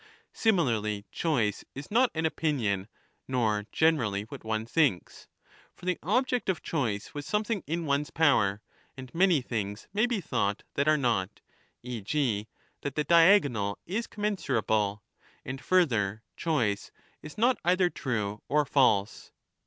Similarly, choice is not an opinion nor, 1226^ generally, what one thinks ; for the object of choice was ^ something in one's power and many things may be thought that are not, e.g. that the diagonal is commensurable ; and further, choice is not either true or false.